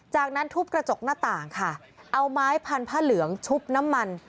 จากนั้นทุบกระจกหน้าต่างค่ะเอาไม้พันผ้าเหลืองชุบน้ำมัน